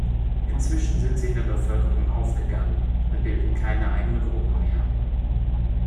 Inzwischen sind sie in der Bevölkerung aufgegangen und bilden keine eigene Gruppe mehr.